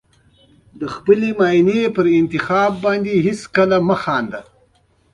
د خپلې مېرمنې په انتخاب باندې هېڅکله مه خانده.